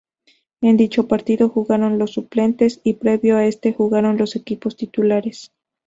En dicho partido jugaron los suplentes y previo a ese jugaron los equipos titulares.